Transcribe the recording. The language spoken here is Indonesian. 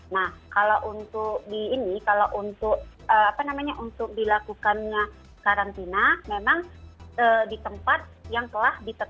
nah kalau untuk di ini kalau untuk apa namanya untuk dilakukannya karantina memang di tempat yang telah ditetapkan